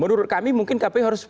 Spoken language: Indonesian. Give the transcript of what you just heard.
menurut kami mungkin kpu harus